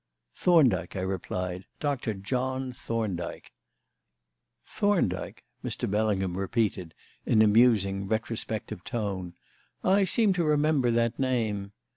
"Thorndyke," I replied. "Doctor John Thorndyke." "Thorndyke," Mr. Bellingham repeated in a musing, retrospective tone. "I seem to remember that name.